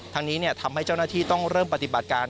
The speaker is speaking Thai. ทั้งนี้ทำให้เจ้าหน้าที่ต้องเริ่มปฏิบัติการ